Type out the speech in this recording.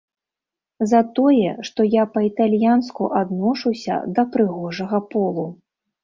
За тое, што я па-італьянску адношуся да прыгожага полу.